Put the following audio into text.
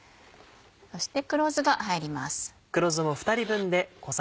そして黒酢が入ります。